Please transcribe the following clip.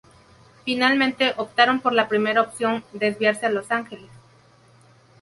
Finalmente optaron por la primera opción: desviarse a Los Ángeles.